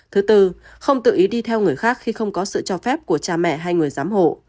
thứ tư không tự ý đi theo người khác khi không có sự cho phép của cha mẹ hay người giám hộ